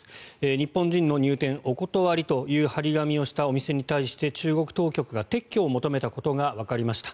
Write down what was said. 日本人の入店お断りという張り紙をしたお店に対して中国当局が撤去を求めたことがわかりました。